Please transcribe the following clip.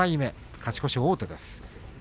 勝ち越し王手です。